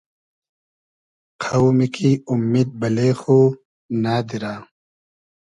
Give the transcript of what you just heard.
قۆمی کی اومید بئلې خو نئدیرۂ